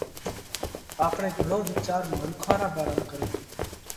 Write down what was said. آپڻئہ گھڻو وِيچار منکون را ڀارام ڪروو،